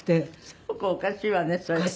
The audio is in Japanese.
すごくおかしいわねそれ。